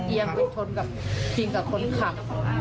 เอียงเงินทนกับคนขับ